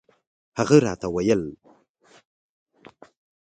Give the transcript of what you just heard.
هغه راته وويل چې درځم